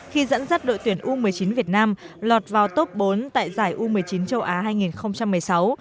khi dẫn dắt đội tuyển u một mươi chín việt nam lọt vào top bốn tại giải u một mươi chín châu á hai nghìn một mươi sáu